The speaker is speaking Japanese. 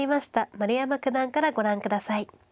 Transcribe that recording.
丸山九段からご覧下さい。